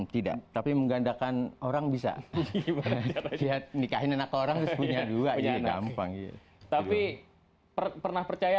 tidak tapi menggandakan orang bisa gimana nikahin anak orang punya dua ya gampang tapi pernah percaya